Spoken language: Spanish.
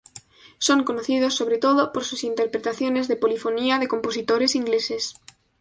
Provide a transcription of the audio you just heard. Son conocidos sobre todo por sus interpretaciones de polifonía de compositores ingleses.